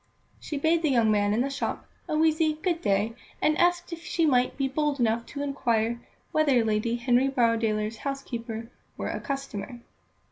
She bade the young man in the shop a wheezy "Good day," and asked if she might be bold enough to inquire whether Lady Henry Borrowdaile's housekeeper were a customer.